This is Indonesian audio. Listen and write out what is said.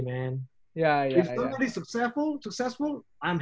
kalau ada yang sukses aku senang